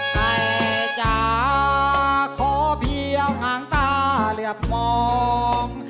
ใกล้จะขอเพียงห่างตาเรียบมอง